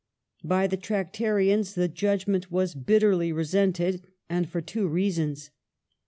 By ^ the Tractarians the judgment was bitterly resented. And for two reasons.